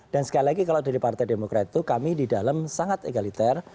dan sekali lagi kalau dari partai demokrat itu kami di dalam sangat egaliter